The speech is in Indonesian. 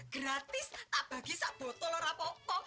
gratis tak bagi sebotol rapopo